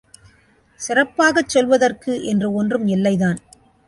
சிறப்பாகச் சொல்வதற்கு என்று ஒன்றும் இல்லைதான்.